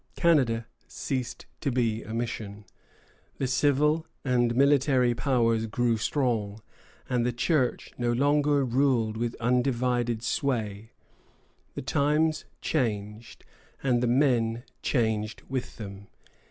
Canada ceased to be a mission. The civil and military powers grew strong, and the Church no longer ruled with undivided sway. The times changed, and the men changed with them.